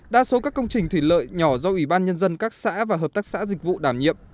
đa số các công trình thủy lợi nhỏ do ủy ban nhân dân các xã và hợp tác xã dịch vụ đảm nhiệm